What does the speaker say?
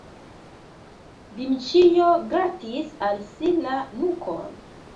Dmiĉjo gratis al si la nukon.